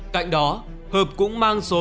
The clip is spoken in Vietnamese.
cạnh đó hợp cũng mang số